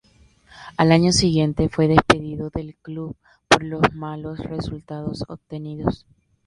Al año siguiente fue despedido del club por los malos resultados obtenidos.